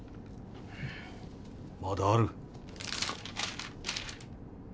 まだある。